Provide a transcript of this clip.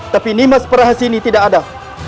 tapi nimas prahasini tidak ada